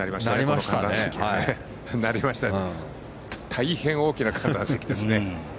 大変大きな観覧席ですね。